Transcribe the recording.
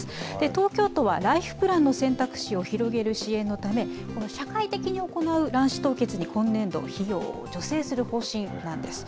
東京都はライフプランの選択肢を広げる支援のため、この社会的に行う卵子凍結に今年度、費用を助成する方針なんです。